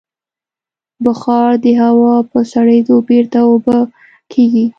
بخار د هوا په سړېدو بېرته اوبه کېږي.